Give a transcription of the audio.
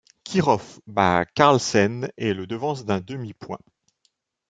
Chirov bat Carlsen et le devance d'un demi-point.